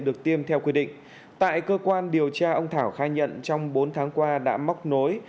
được tiêm theo quy định tại cơ quan điều tra ông thảo khai nhận trong bốn tháng qua đã móc nối